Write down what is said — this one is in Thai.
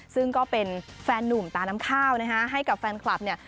ซึ่งก็เป็นแฟนหนุ่มตาน้ำข้าวนะฮะให้กับแฟนคลับเนี่ย